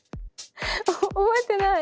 覚えてない！